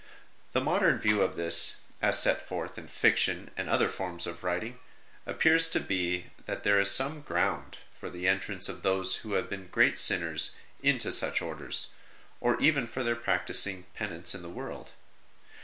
The modern view of this, as set forth in fiction and other forms of writing, appears to be that there is some ground for the entrance of those who have been great sinners into such Orders, or even for their practising penance in the world.